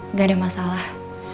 nggak ada masalah